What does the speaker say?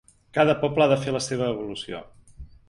Cada poble ha de fer la seva evolució.